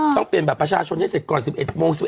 ต้องเปลี่ยนบัตรประชาชนให้เสร็จก่อน๑๑โมง๑๑